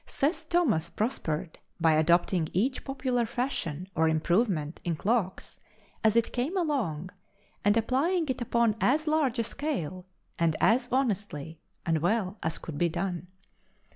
Seth Thomas prospered by adopting each popular fashion or improvement in clocks as it came along and applying it upon as large a scale and as honestly and well as could be done.